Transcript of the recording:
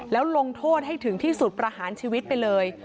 แล้วลงโทษให้ถึงที่สุดประหารชีวิตไปเลย